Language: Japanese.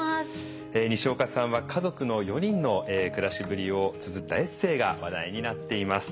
にしおかさんは家族の４人の暮らしぶりをつづったエッセーが話題になっています。